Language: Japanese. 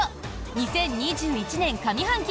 ２０２１年上半期